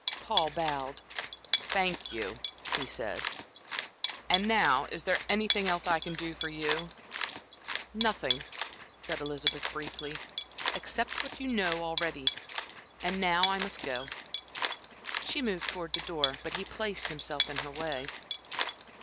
Paul bowed. "Thank you," he said. "And now is there anything else I can do for you?" "Nothing," said Elizabeth, briefly, "except what you know already. And now, I must go." She moved towards the door, but he placed himself in her way.